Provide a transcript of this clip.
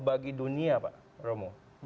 bagi dunia pak romo